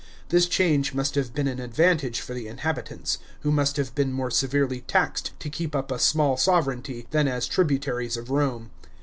This change must have been an advantage for the inhabitants, who must have been more severely taxed to keep up a small sovranty, than as tributaries of Rome.